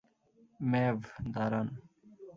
ম্যাভ, দাঁড়ান।